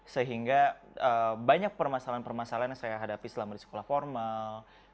sehingga banyak permasalahan permasalahan yang saya hadapi selama di sekolah formal